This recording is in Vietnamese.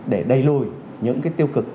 để đẩy lùi những tiêu cực